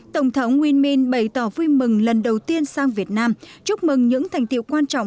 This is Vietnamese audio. tổng thống winmin bày tỏ vui mừng lần đầu tiên sang việt nam chúc mừng những thành tiệu quan trọng